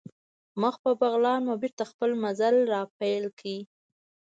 مخ په بغلان مو بېرته خپل مزل را پیل کړ.